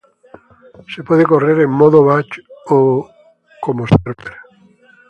Se puede correr en modo batch o como server.